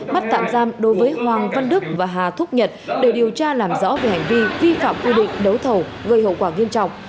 bắt tạm giam đối với hoàng văn đức và hà thúc nhật để điều tra làm rõ về hành vi vi phạm quy định đấu thầu gây hậu quả nghiêm trọng